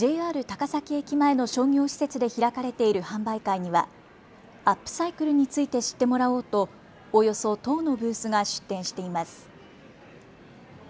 ＪＲ高崎駅前の商業施設で開かれている販売会にはアップサイクルについて知ってもらおうとおよそ１０のブースが出店しています。